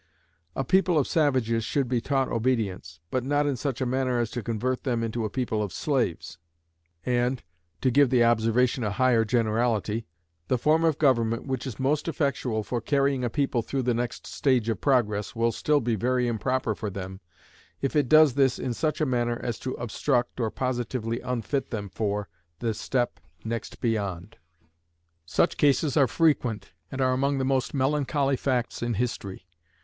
A people of savages should be taught obedience, but not in such a manner as to convert them into a people of slaves. And (to give the observation a higher generality) the form of government which is most effectual for carrying a people through the next stage of progress will still be very improper for them if it does this in such a manner as to obstruct, or positively unfit them for, the step next beyond. Such cases are frequent, and are among the most melancholy facts in history.